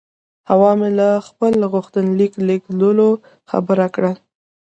حوا مې له خپل غوښتنلیک لېږلو خبره کړه.